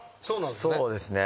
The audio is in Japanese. そうですね。